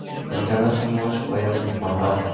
bacalah semula supaya lebih paham